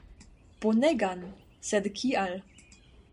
Bonegan, sed kial?